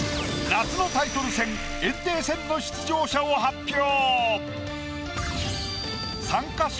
夏のタイトル戦炎帝戦の出場者を発表。